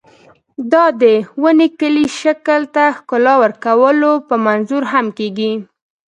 دا د ونې کلي شکل ته ښکلا ورکولو په منظور هم کېږي.